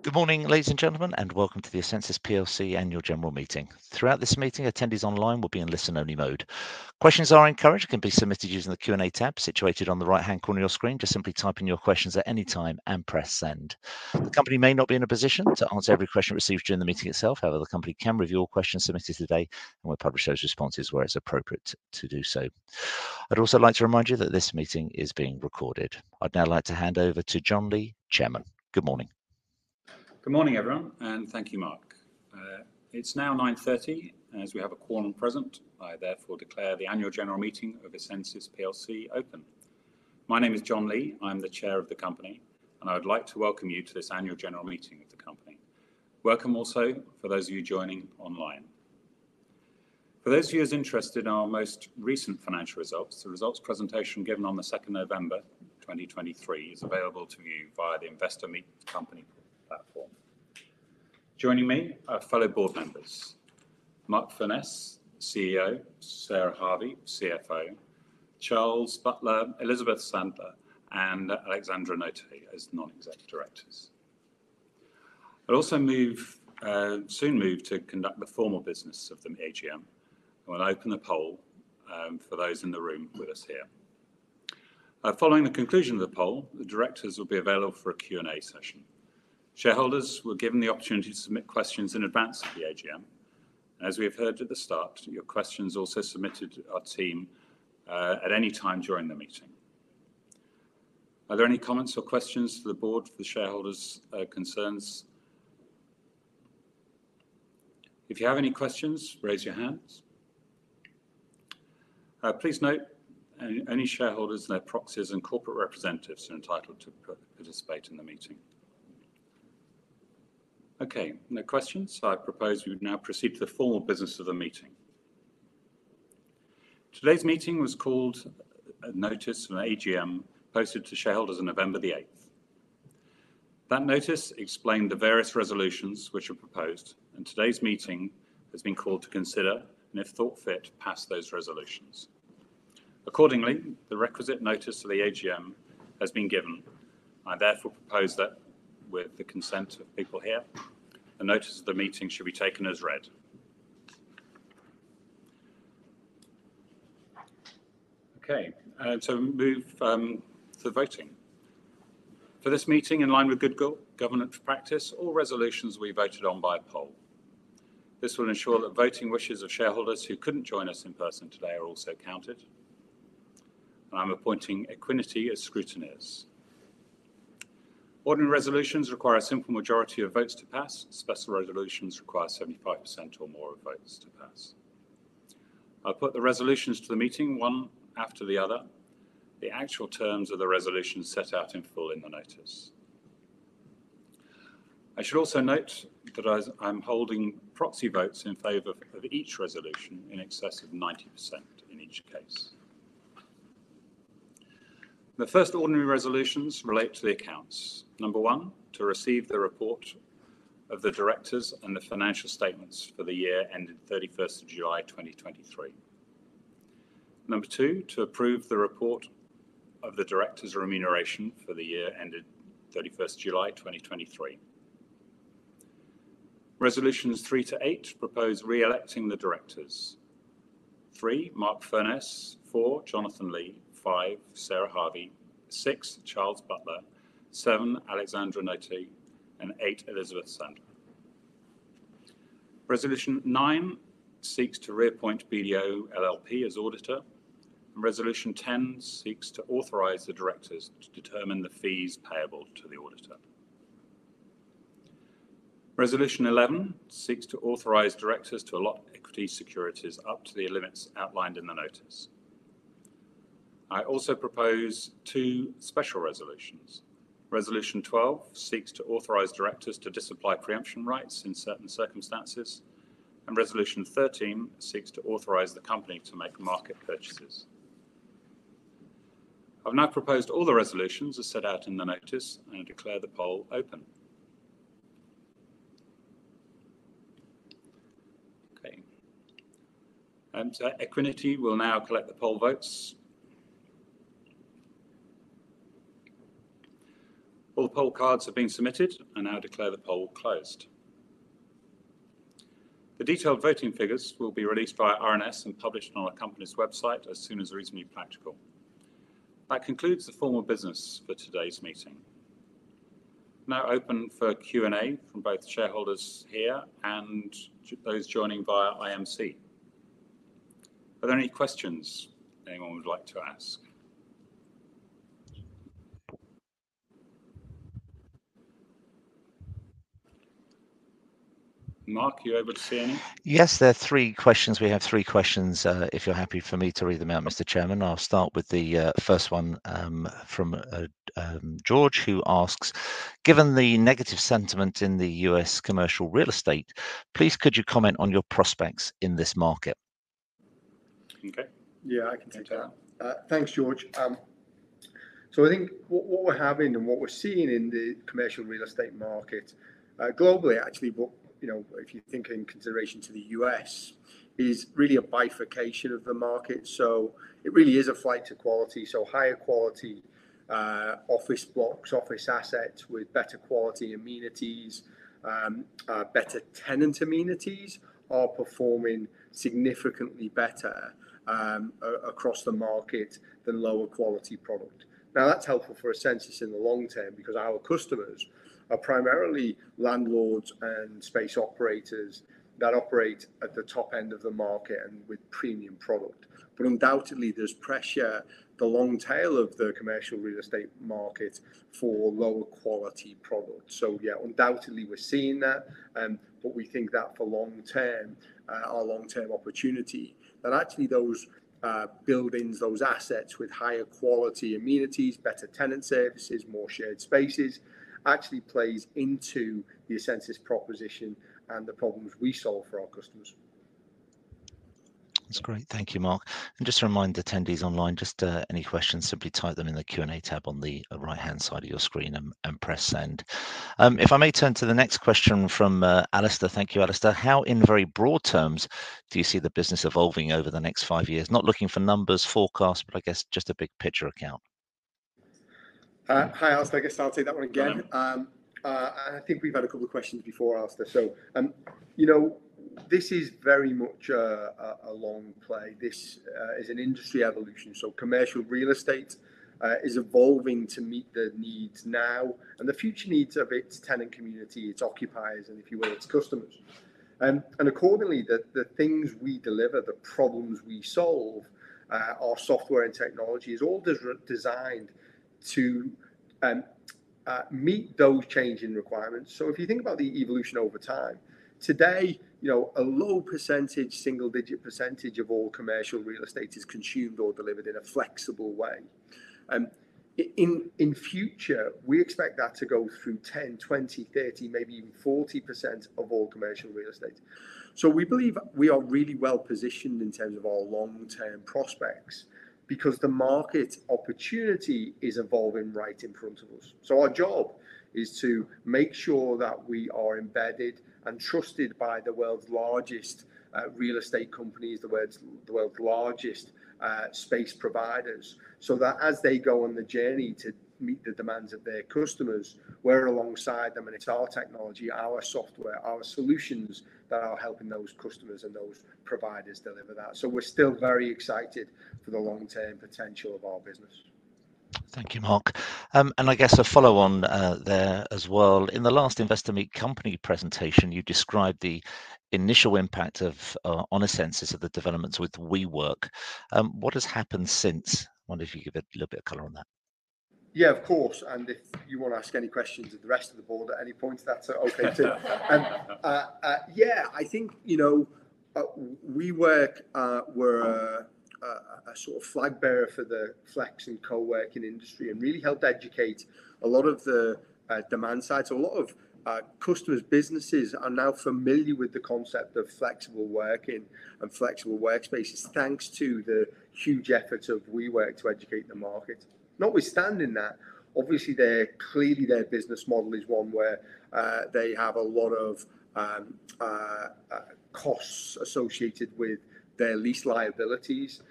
Good morning, ladies and gentlemen, and welcome to the essensys plc Annual General Meeting. Throughout this meeting, attendees online will be in listen-only mode. Questions are encouraged and can be submitted using the Q&A tab situated on the right-hand corner of your screen. Just simply type in your questions at any time and press send. The company may not be in a position to answer every question received during the meeting itself. However, the company can review all questions submitted today, and we'll publish those responses where it's appropriate to do so. I'd also like to remind you that this meeting is being recorded. I'd now like to hand over to Jon Lee, chairman. Good morning. Good morning, everyone, and thank you, Mark. It's now 9:30 A.M. As we have a quorum present, I therefore declare the annual general meeting of essensys plc open. My name is Jon Lee. I'm the chair of the company, and I would like to welcome you to this annual general meeting of the company. Welcome also, for those of you joining online. For those of you who's interested in our most recent financial results, the results presentation given on the second November, 2023, is available to you via the Investor Meet Company platform. Joining me are fellow board members, Mark Furness, CEO; Sarah Harvey, CFO; Charles Butler, Elizabeth Sandler, and Alexandra Notay as non-executive directors. I'd also soon move to conduct the formal business of the AGM. I will open the poll for those in the room with us here. Following the conclusion of the poll, the directors will be available for a Q&A session. Shareholders were given the opportunity to submit questions in advance of the AGM. As we have heard at the start, your questions also submitted to our team, at any time during the meeting. Are there any comments or questions to the board for the shareholders', concerns? If you have any questions, raise your hands. Please note, any shareholders, their proxies, and corporate representatives are entitled to participate in the meeting. Okay, no questions, so I propose we would now proceed to the formal business of the meeting. Today's meeting was called a notice of an AGM, posted to shareholders on November the eighth. That notice explained the various resolutions which were proposed, and today's meeting has been called to consider, and if thought fit, pass those resolutions. Accordingly, the requisite notice of the AGM has been given. I therefore propose that with the consent of people here, the notice of the meeting should be taken as read. Okay, to move to voting. For this meeting, in line with good governance practice, all resolutions will be voted on by poll. This will ensure that voting wishes of shareholders who couldn't join us in person today are also counted. I'm appointing Equiniti as scrutineers. Ordinary resolutions require a simple majority of votes to pass. Special resolutions require 75% or more of votes to pass. I'll put the resolutions to the meeting one after the other. The actual terms of the resolution set out in full in the notice. I should also note that I, I'm holding proxy votes in favor of each resolution in excess of 90% in each case. The first ordinary resolutions relate to the accounts. Number one, to receive the report of the directors and the financial statements for the year ended 31st of July 2023. Number two, to approve the report of the directors' remuneration for the year ended 31st July 2023. Resolutions three to eight propose re-electing the directors. three, Mark Furness. four, Jon Lee. five, Sarah Harvey. six, Charles Butler. seven, Alexandra Notay, and eight, Elizabeth Sandler. Resolution nine seeks to reappoint BDO LLP as auditor, and resolution 10 seeks to authorize the directors to determine the fees payable to the auditor. Resolution 11 seeks to authorize directors to allot equity securities up to the limits outlined in the notice. I also propose two special resolutions. Resolution 12 seeks to authorize directors to disapply preemption rights in certain circumstances, and resolution 13 seeks to authorize the company to make market purchases. I've now proposed all the resolutions as set out in the notice, and I declare the poll open. Okay, so Equiniti will now collect the poll votes. All the poll cards have been submitted. I now declare the poll closed. The detailed voting figures will be released via RNS and published on our company's website as soon as reasonably practical. That concludes the formal business for today's meeting. Now open for Q&A from both shareholders here and those joining via IMC. Are there any questions anyone would like to ask? Mark, are you able to see any? Yes, there are three questions. We have three questions. If you're happy for me to read them out, Mr. Chairman. I'll start with the first one, from George, who asks: "Given the negative sentiment in the U.S. commercial real estate, please could you comment on your prospects in this market? Okay. Yeah, I can take that. Thanks, George. I think what, what we're having and what we're seeing in the commercial real estate market, globally, actually, what... You know, if you think in consideration to the U.S., is really a bifurcation of the market. It really is a flight to quality, so higher quality-... office blocks, office assets with better quality amenities, better tenant amenities are performing significantly better, across the market than lower quality product. Now, that's helpful for essensys in the long term because our customers are primarily landlords and space operators that operate at the top end of the market and with premium product. But undoubtedly, there's pressure at the long tail of the commercial real estate market for lower quality product. Yeah, undoubtedly we're seeing that, but we think that for long term, our long-term opportunity, that actually those buildings, those assets with higher quality amenities, better tenant services, more shared spaces, actually plays into the essensys proposition and the problems we solve for our customers. That's great. Thank you, Mark. And just to remind the attendees online, just any questions, simply type them in the Q&A tab on the right-hand side of your screen and press send. If I may turn to the next question from Alistair. Thank you, Alistair. How, in very broad terms, do you see the business evolving over the next five years? Not looking for numbers, forecasts, but I guess just a big picture account. Hi, Alistair. I guess I'll take that one again. Hello. I think we've had a couple of questions before, Alistair. You know, this is very much a long play. This is an industry evolution, so commercial real estate is evolving to meet the needs now and the future needs of its tenant community, its occupiers, and if you will, its customers. And accordingly, the things we deliver, the problems we solve, our software and technology is all designed to meet those changing requirements. If you think about the evolution over time, today, you know, a low percentage, single-digit % of all commercial real estate is consumed or delivered in a flexible way. In future, we expect that to go through 10, 20, 30, maybe even 40% of all commercial real estate. We believe we are really well positioned in terms of our long-term prospects because the market opportunity is evolving right in front of us. So our job is to make sure that we are embedded and trusted by the world's largest, real estate companies, the world's, the world's largest, space providers, so that as they go on the journey to meet the demands of their customers, we're alongside them, and it's our technology, our software, our solutions that are helping those customers and those providers deliver that. We're still very excited for the long-term potential of our business. Thank you, Mark. I guess a follow-on there as well. In the last Investor Meet Company presentation, you described the initial impact of on essensys of the developments with WeWork. What has happened since? I wonder if you could give a little bit of color on that. Yeah, of course. If you wanna ask any questions of the rest of the board at any point, that's okay, too. Yeah, I think, you know, WeWork were a sort of flag bearer for the flex and co-working industry and really helped educate a lot of the demand side. A lot of customers, businesses are now familiar with the concept of flexible working and flexible workspaces, thanks to the huge efforts of WeWork to educate the market. Notwithstanding that, obviously, their, clearly, their business model is one where they have a lot of costs associated with their lease liabilities.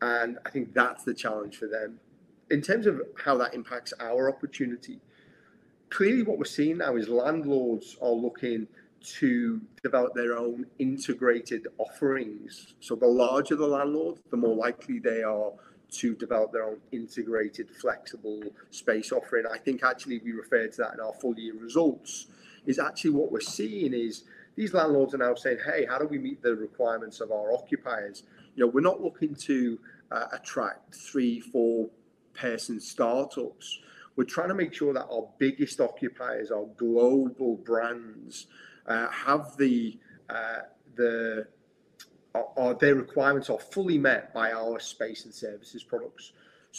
I think that's the challenge for them. In terms of how that impacts our opportunity, clearly what we're seeing now is landlords are looking to develop their own integrated offerings. The larger the landlord, the more likely they are to develop their own integrated, flexible space offering. I think actually we referred to that in our full year results, is actually what we're seeing is these landlords are now saying, "Hey, how do we meet the requirements of our occupiers?" You know, we're not looking to attract three, four-person startups. We're trying to make sure that our biggest occupiers, our global brands, have their requirements are fully met by our space and services products.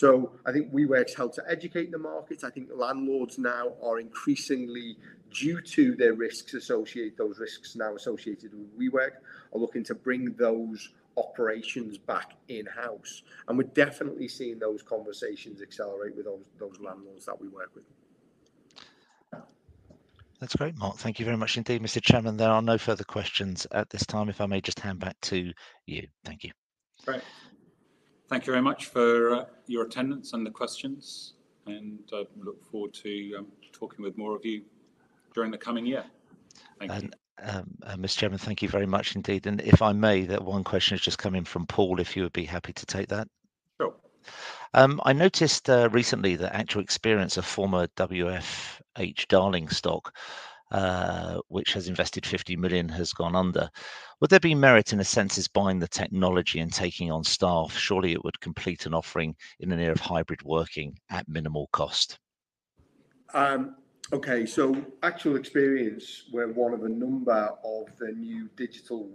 I think WeWork has helped to educate the market. I think landlords now are increasingly, due to their risks, those risks now associated with WeWork, are looking to bring those operations back in-house, and we're definitely seeing those conversations accelerate with those landlords that we work with. That's great, Mark. Thank you very much indeed. Mr. Chairman, there are no further questions at this time. If I may just hand back to you. Thank you. Great. Thank you very much for your attendance and the questions, and I look forward to talking with more of you during the coming year. Thank you. Mr. Chairman, thank you very much indeed. If I may, that one question has just come in from Paul, if you would be happy to take that? Sure. I noticed recently the Actual Experience, former WFH darling stock, which has invested 50 million, has gone under. Would there be merit in essensys buying the technology and taking on staff? Surely it would complete an offering in an era of hybrid working at minimal cost. Okay. Actual Experience were one of a number of the new digital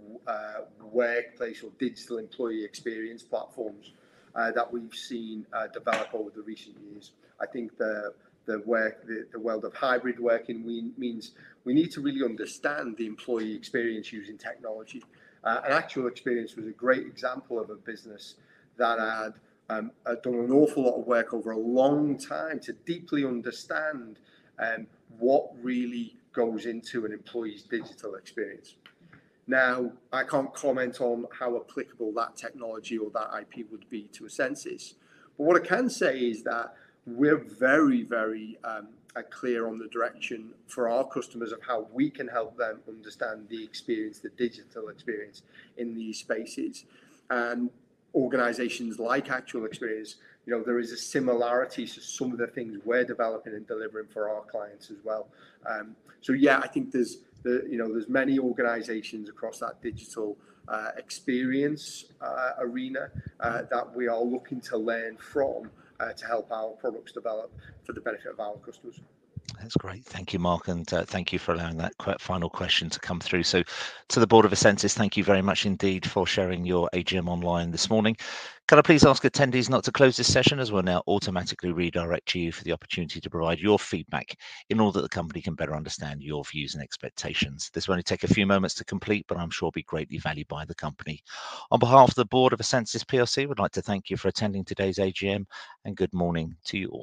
workplace or digital employee experience platforms, that we've seen, develop over the recent years. I think the world of hybrid working means we need to really understand the employee experience using technology. Actual Experience was a great example of a business that had done an awful lot of work over a long time to deeply understand, what really goes into an employee's digital experience. Now, I can't comment on how applicable that technology or that IP would be to essensys, but what I can say is that we're very, very, clear on the direction for our customers of how we can help them understand the experience, the digital experience in these spaces. Organizations like Actual Experience, you know, there is a similarity to some of the things we're developing and delivering for our clients as well. So yeah, I think there's, you know, there's many organizations across that digital experience arena that we are looking to learn from to help our products develop for the benefit of our customers. That's great. Thank you, Mark, and thank you for allowing that final question to come through. To the board of essensys, thank you very much indeed for sharing your AGM online this morning. Can I please ask attendees not to close this session, as we'll now automatically redirect you for the opportunity to provide your feedback in order that the company can better understand your views and expectations. This will only take a few moments to complete, but I'm sure will be greatly valued by the company. On behalf of the board of essensys PLC, we'd like to thank you for attending today's AGM, and good morning to you all.